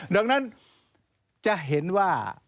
ดังนั้นจะเห็นว่า